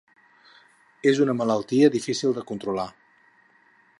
És una malaltia difícil de controlar.